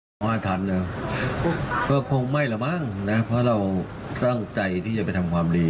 เพราะฉะนั้นผมยืนมาทุกวันนี้